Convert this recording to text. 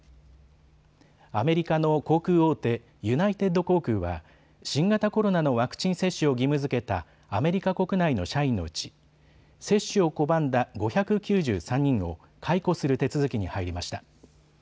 アメリカの航空大手、ユナイテッド航空は新型コロナのワクチン接種を義務づけたアメリカ国内の社員のうち接種を拒んだ５９３人を解雇する手続きに入りました。